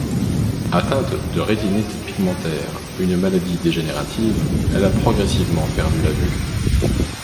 Atteinte de rétinite pigmentaire, une maladie dégénérative, elle a progressivement perdue la vue.